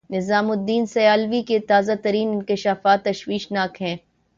نظام الدین سیالوی کے تازہ ترین انکشافات تشویشناک ہیں۔